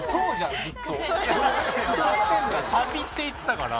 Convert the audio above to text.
サビって言ってたから。